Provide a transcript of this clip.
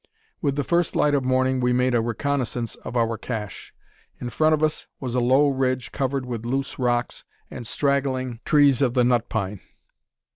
With the first light of morning we made a reconnaissance of our cache. In front of us was a low ridge covered with loose rocks and straggling trees of the nut pine.